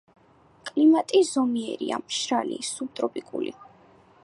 კლიმატი ზომიერია, მშრალი, სუბტროპიკული.